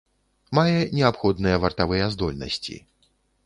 Мае неабходныя вартавыя здольнасці.